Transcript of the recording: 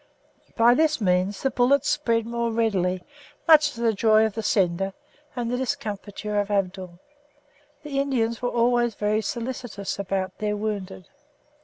By this means the bullets spread more readily, much to the joy of the sender and the discomfiture of Abdul. The Indians were always very solicitous about their wounded.